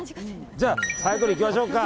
じゃあ、サイコロいきましょうか。